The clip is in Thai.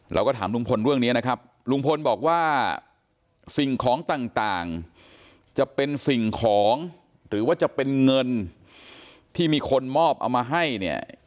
เราก็ถามลุงพลเรื่องนี้นะครับลุงพลบอกว่าสิ่งของต่างจะเป็นสิ่งของหรือว่าจะเป็นเงินที่มีคนมอบเอามาให้เนี่ย